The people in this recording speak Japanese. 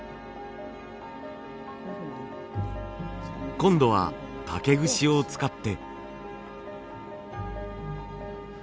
今度は竹串を使って。